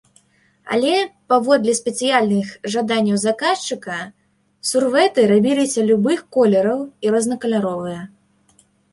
Але, паводле спецыяльных жаданняў заказчыка, сурвэты рабіліся любых колераў і рознакаляровыя.